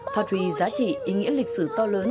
phát huy giá trị ý nghĩa lịch sử to lớn